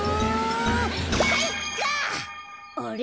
あれ？